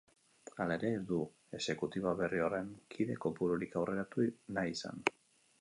Hala ere, ez du exekutiba berri horren kide kopururik aurreratu nahi izan.